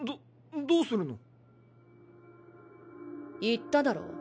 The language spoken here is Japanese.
言っただろ。